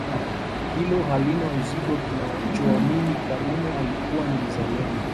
Hilo halina uzito tunachoamini Karume alikuwa ni mzalendo